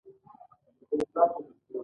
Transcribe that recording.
• بښل زړه خلاصوي.